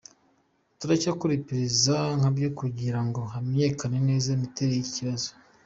Turacyakora iperereza ryabyo kugira ngo hamenyekane neza imiterere y’iki kibazo.